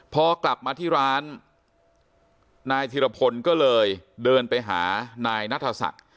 พอกลับมาที่ร้านนายธิรพลก็เลยเดินไปหานายนัทศักดิ์